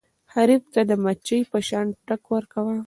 حریف ته د مچۍ په شان ټک ورکوه.